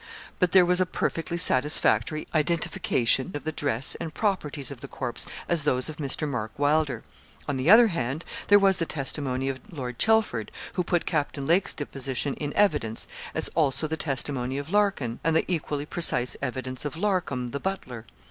But there was a perfectly satisfactory identification of the dress and properties of the corpse as those of Mr. Mark Wylder. On the other hand there was the testimony of Lord Chelford, who put Captain Lake's deposition in evidence, as also the testimony of Larkin, and the equally precise evidence of Larcom, the butler.